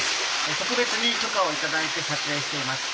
特別に許可をいただいて撮影しています。